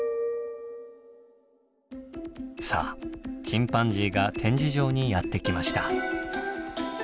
さあチンパンジーが展示場にやって来ました。